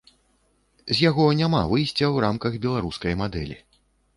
З яго няма выйсця ў рамках беларускай мадэлі.